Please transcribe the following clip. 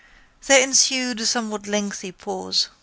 There ensued a somewhat lengthy pause.